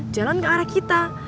jalan ke arah kita